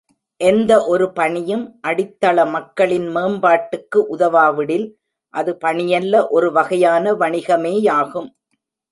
எந்த ஒரு பணியும் அடித்தள மக்களின் மேம்பாட்டுக்கு உதவாவிடில் அது பணியல்ல ஒரு வகையான வணிகமேயாகும்.